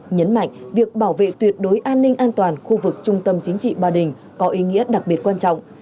nhấn mạnh việc bảo vệ tuyệt đối an ninh an toàn khu vực trung tâm chính trị ba đình có ý nghĩa đặc biệt quan trọng